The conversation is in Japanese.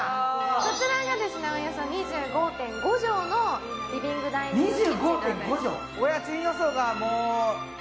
こちらはおよそ２５．５畳のリビング・ダイニング・キッチンです。